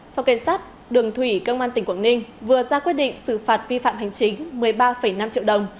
phòng cảnh sát đường thủy công an tỉnh quảng ninh vừa ra quyết định xử phạt vi phạm hành chính một mươi ba năm triệu đồng